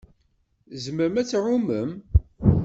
Tzemrem ad tɛummem.